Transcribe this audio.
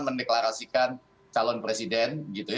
mendeklarasikan calon presiden